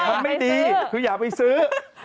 ว่าไม่ได้คืออยากไปซื้อ